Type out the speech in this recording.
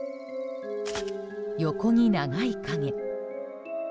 横に長い影。